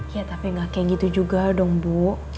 ya tapi gak kayak gitu juga dong bu